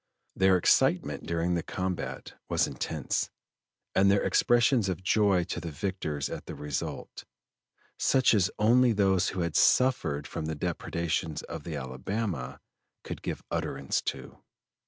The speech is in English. Their excitement during the combat was intense, and their expressions of joy to the victors at the result, such as only those who had suffered from the depredations of the Alabama could give utterance to.